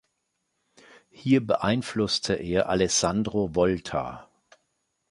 Hier beeinflusste er Alessandro Volta.